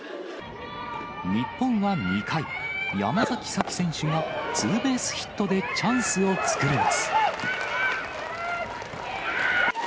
日本は２回、山崎早紀選手がツーベースヒットでチャンスを作ります。